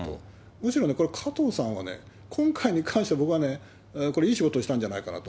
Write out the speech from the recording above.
むしろね、これ、加藤さんがね、今回に関しては、僕はこれ、いい仕事したんじゃないかなと。